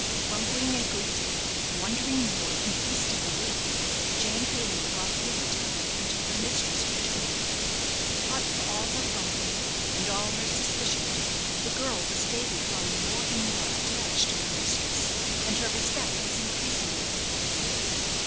Grumbling a good deal, wondering more, and feasting a little, Jane Payland got through the time until her mistress returned. But for all her grumbling, and all her suspicion, the girl was daily growing more and more attached to her mistress, and her respect was increasing with her liking.